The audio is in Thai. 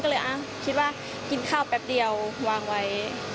ก็เลยคิดว่ากินข้าวแป๊บเดียววางไว้